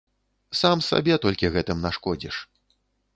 Сам сабе толькі гэтым нашкодзіш.